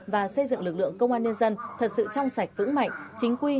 và xây dựng lực lượng công an nhân dân thật sự trong sạch vững mạnh chính quy